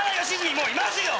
もういますよ！